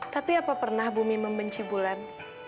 tapi apa pernah bumi membenci bulan